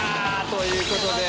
ということで。